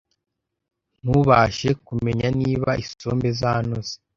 ntubashe kumenya niba isombe zanoze,